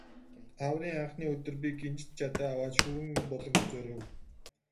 Хаврын анхны өдөр би гинжит жадаа аваад Шүрэн буланг зорив.